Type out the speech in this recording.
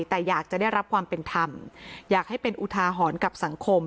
แต่อยากจะได้รับความเป็นธรรมอยากให้เป็นอุทาหรณ์กับสังคม